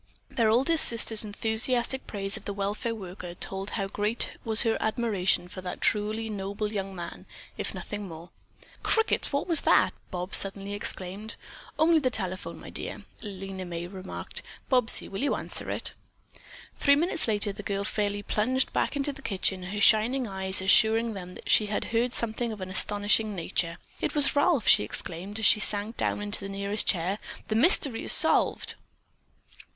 Their oldest sister's enthusiastic praise of the welfare worker told how great was her admiration for that truly noble young man, if nothing more. "Crickets, what was that?" Bobs suddenly exclaimed. "Only the telephone, my dear," Lena May remarked. "Bobsy, will you answer it?" Three minutes later that girl fairly plunged back into the kitchen, her shining eyes assuring them that she had heard something of an astonishing nature. "It was Ralph," she exclaimed, as she sank down into the nearest chair. "The mystery is solved!"